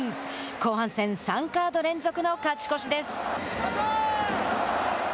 後半戦、３カード連続の勝ち越しです。